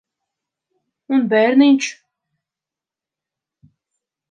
Un bērniņš?